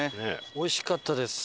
おいしかったです。